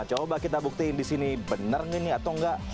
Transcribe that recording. coba kita buktiin disini bener ini atau enggak